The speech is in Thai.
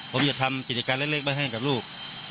ผมจะทำกิจการเล่นเลขไปให้กับลูก